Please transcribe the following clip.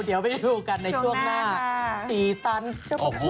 เดี๋ยวไปดูกันในช่วงหน้า๔ตัน